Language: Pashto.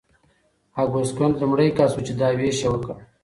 اګوست کنت لومړی کس و چې دا ویش یې وکړ.